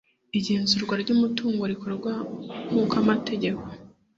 igenzura ry umutungo rikorwa nk uko amtegeko